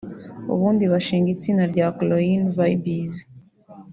ubundi bashinga itsinda rya Clyn Vybz